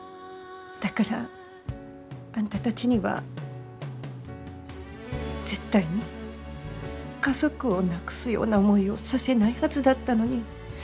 だからあんたたちには絶対に家族を亡くすような思いをさせないはずだったのに。